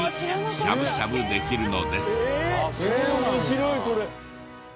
面白いこれ。